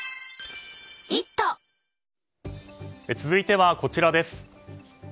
続いてはこちらです。